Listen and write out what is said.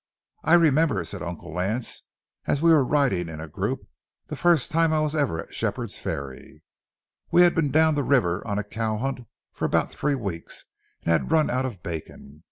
"I remember," said Uncle Lance, as we were riding in a group, "the first time I was ever at Shepherd's Ferry. We had been down the river on a cow hunt for about three weeks and had run out of bacon.